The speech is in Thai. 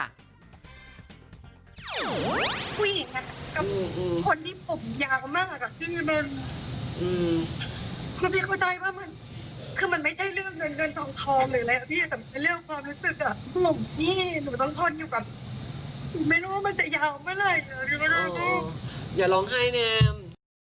ไม่รู้ว่ามันจะยาวเมื่อไหร่อย่าร้องไห้แนม